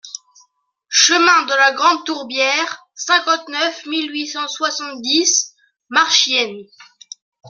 Chemin de la Grande Tourbière, cinquante-neuf mille huit cent soixante-dix Marchiennes